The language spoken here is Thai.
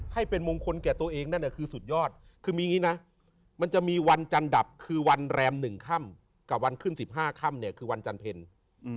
ให้เป็นมงคลแก่ตัวเองนั่นอ่ะคือสุดยอดคือมีอย่างงี้นะมันจะมีวันจันดับคือวันแรมหนึ่งค่ำกับวันขึ้นสิบห้าค่ำเนี่ยคือวันจันเพลอืม